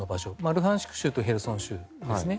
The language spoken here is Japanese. ルハンシク州とヘルソン州ですね。